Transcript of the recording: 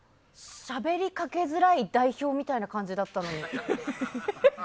しゃべりかけづらい代表みたいな感じだったのに。